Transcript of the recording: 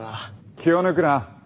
気を抜くな。